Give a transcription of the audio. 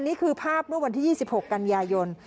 นี่คือภาพเมื่อวันที่๒๖กันยายน